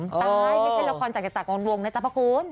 ตายไม่ใช่ละครจักรจักรรมน์ดวงนะจ๊ะพระคุณ